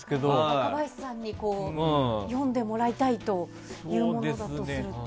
若林さんに読んでもらいたいというものだとすると。